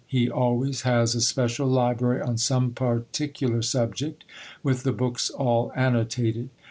He always has a special library on some particular subject, with the books all annotated.